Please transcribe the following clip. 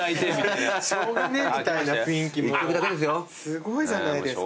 すごいじゃないですか。